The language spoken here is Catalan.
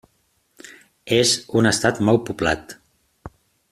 És un estat molt poblat.